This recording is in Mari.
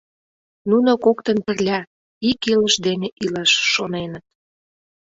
Нуно коктын пырля, ик илыш дене илаш шоненыт.